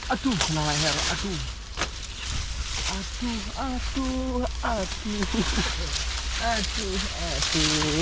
aduh atuh atuh atuh atuh atuh